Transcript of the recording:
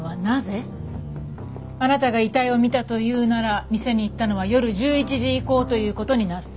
あなたが遺体を見たというなら店に行ったのは夜１１時以降という事になる。